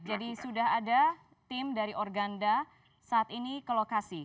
sudah ada tim dari organda saat ini ke lokasi